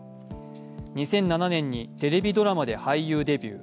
２００７年にテレビドラマで俳優デビュー。